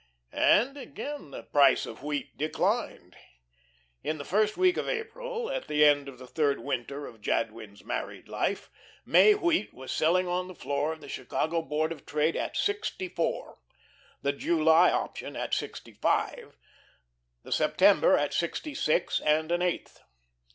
And again the price of wheat declined. In the first week in April, at the end of the third winter of Jadwin's married life, May wheat was selling on the floor of the Chicago Board of Trade at sixty four, the July option at sixty five, the September at sixty six and an eighth.